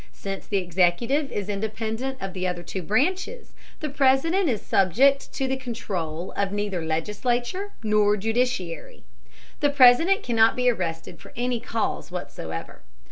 Since the executive is independent of the other two branches, the President is subject to the control of neither legislature nor judiciary. The President cannot be arrested for any cause whatsoever.